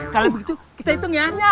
kalau begitu kita hitung ya